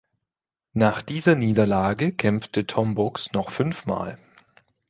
Nach dieser Niederlage kämpfte Tom Bogs noch fünfmal.